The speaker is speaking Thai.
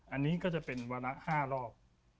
อันนี้ก็จะเป็นวาระ๕รอบ